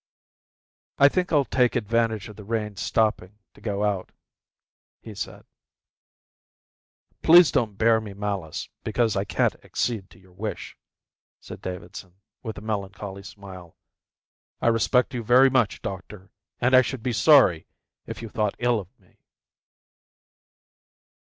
"I think I'll take advantage of the rain stopping to go out," he said. "Please don't bear me malice because I can't accede to your wish," said Davidson, with a melancholy smile. "I respect you very much, doctor, and I should be sorry if you thought ill of me."